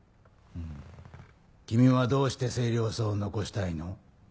ん君はどうして清涼荘を残したいの？